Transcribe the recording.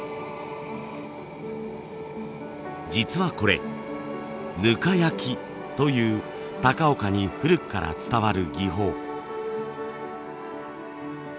実はこれぬか焼きという高岡に古くから伝わる技法。